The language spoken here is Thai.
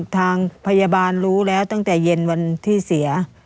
ทางพยาบาลรู้แล้วตั้งแต่เย็นวันที่เสีย